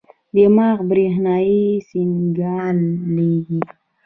دماغ برېښنايي سیګنال لېږي.